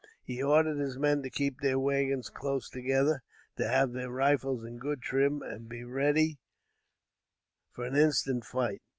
He ordered his men to keep their wagons close together, to have their rifles in good trim and be ready for an instant fight.